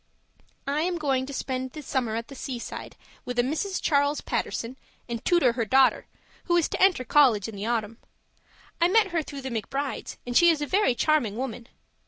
I am going to spend the summer at the seaside with a Mrs. Charles Paterson and tutor her daughter who is to enter college in the autumn. I met her through the McBrides, and she is a very charming woman.